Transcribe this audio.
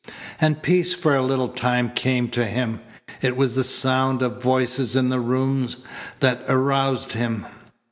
And peace for a little time came to him. It was the sound of voices in the room that aroused him.